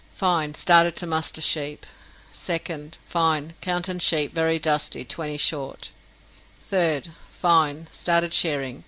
Fine. Started to muster sheap. 2nd. Fine. Counten sheap very dusty 20 short. 3rd. Fine. Started shering.